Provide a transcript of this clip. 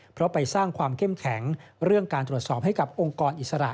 เพราะไปสร้างความเข้มแข็งเรื่องการตรวจสอบให้กับองค์กรอิสระ